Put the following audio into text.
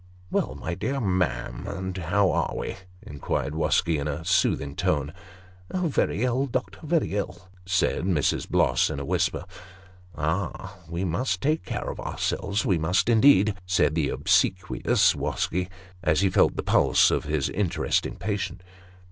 " Well, my dear ma'am, and how are we ?" inquired Wosky, in a soothing tone. " Very ill, doctor very ill," said Mrs. Bloss, in a whisper. " Ah ! we must take cafe of ourselves ; we must, indeed," said the obsequious Wosky, as he felt the pulse of his interesting patient.